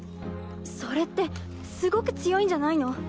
それってすごく強いんじゃないの？